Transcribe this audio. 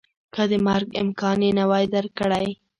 که د مرګ امکان یې نه وای رد کړی